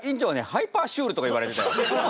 ハイパーシュールとか言われるから。